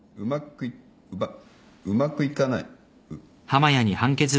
うまくいかない。